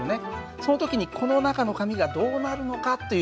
その時にこの中の紙がどうなるのかという実験なんだよ。